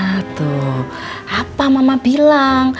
tuh apa mama bilang